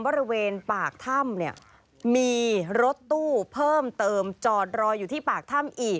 บริเวณปากถ้ำเนี่ยมีรถตู้เพิ่มเติมจอดรออยู่ที่ปากถ้ำอีก